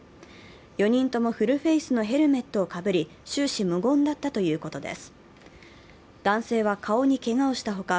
４人ともフルフェイスのヘルメットをかぶり、終始無言だったということです。